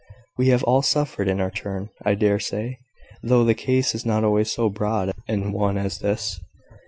We have all suffered in our turn, I dare say, though the case is not always so broad an one as this.